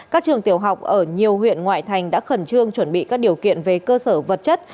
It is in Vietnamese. các trường tiểu học ở nhiều huyện ngoại thành đã khẩn trương chuẩn bị các điều kiện về cơ sở vật chất